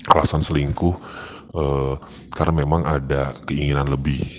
alasan selingkuh karena memang ada keinginan lebih